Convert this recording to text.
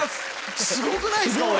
すごくないっすか俺！